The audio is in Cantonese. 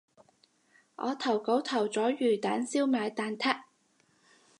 我投稿投咗魚蛋燒賣蛋撻